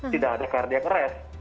tidak ada cardiac arrest